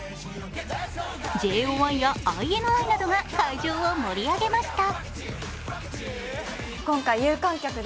ＪＯ１やＩＮＩなどが会場を盛り上げました。